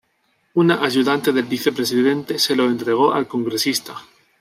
Una ayudante del Vicepresidente se lo entregó al Congresista.